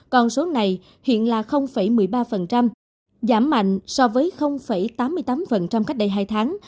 còn số này hiện là một mươi ba giảm mạnh so với tám mươi tám cách đây hai tháng